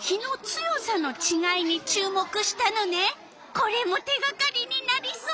これも手がかりになりそう。